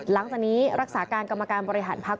หลังจากนี้รักษาการกรรมการบริหารพักษ